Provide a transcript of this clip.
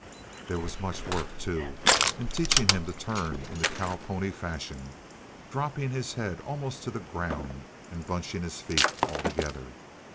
There was much work, too, in teaching him to turn in the cow pony fashion, dropping his head almost to the ground and bunching his feet altogether.